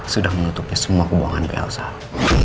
sudah menutupi semua hubungan ke audara